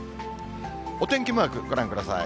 お天気マークご覧ください。